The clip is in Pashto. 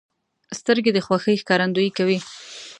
سترګې د خوښۍ ښکارندویي کوي